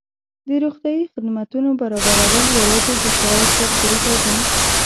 د روغتیايي خدمتونو برابرول یوازې د شعار تر بریده دي.